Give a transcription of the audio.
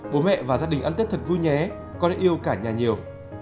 bố mẹ và gia đình ăn tết thật vui nhé con yêu cả nhà nhiều